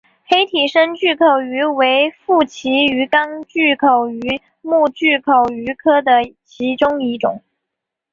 黑体深巨口鱼为辐鳍鱼纲巨口鱼目巨口鱼科的其中一种。